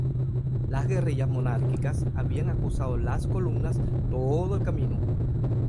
Las guerrillas monárquicas habían acosado a su columna todo el camino.